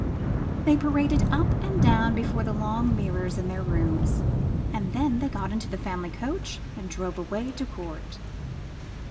They paraded up and down before the long mirrors in their rooms, and then they got into the family coach and drove away to court.